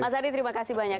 mas adi terima kasih banyak